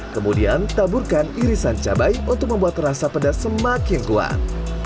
kemudian taburkan irisan cabai untuk membuat rasa pedas semakin kuat